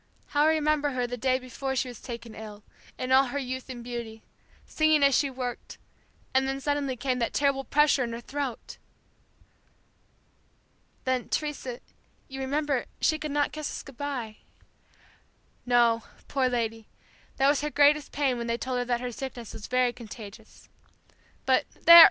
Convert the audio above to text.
How I remember her the day before she was taken ill, in all her youth and beauty singing as she worked, and then suddenly came that terrible pressure in her throat." "Then, Teresa, you remember, she could not kiss us goodbye." "No, poor lady, that was her greatest pain when they told her that her sickness was very contagious. But there!